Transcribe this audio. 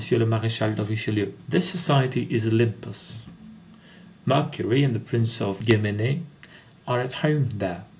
le Maréchal de Richelieu. This society is Olympus. Mercury and the Prince de Guémenée are at home there.